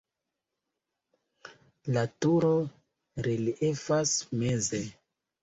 La turo reliefas meze.